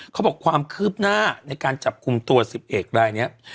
เขาบอกความคืบหน้าในการจับคุมตัว๑๑รายเนี่ย